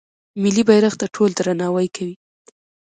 ملي بیرغ ته ټول درناوی کوي.